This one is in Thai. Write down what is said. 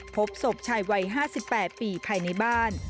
พบศพชายวัยห้าสิบแปดปีภายในบ้าน